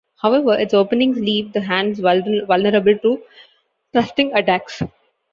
However, its openings leave the hands vulnerable to thrusting attacks.